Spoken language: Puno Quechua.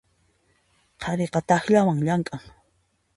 Qhariqa takllawan llamk'an.